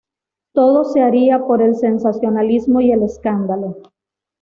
Todo se haría por el sensacionalismo y el escándalo.